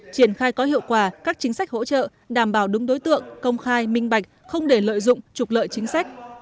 triển khai có hiệu quả các chính sách hỗ trợ đảm bảo đúng đối tượng công khai minh bạch không để lợi dụng trục lợi chính sách